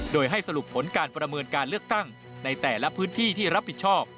โดยให้สรุปผลการประเมินการเลือกตั้งในแต่ละพื้นที่ที่รับผิดชอบ